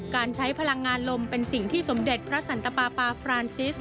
การใช้พลังงานลมเป็นสิ่งที่สมเด็จพระสันตปาปาฟรานซิส